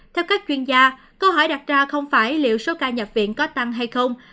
theo các chuyên gia câu hỏi đặt ra không phải liệu số ca nhập viện có tăng hay không